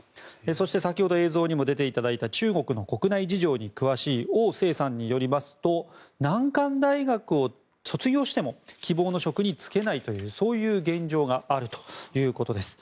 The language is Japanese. そして先ほど映像にも出ていただいた中国の国内事情に詳しいオウ・セイさんによりますと難関大学を卒業しても希望の職に就けないというそういう現状があるということです。